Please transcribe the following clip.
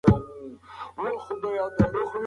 قومي مشاورین واکمن ته راپور ورکړ.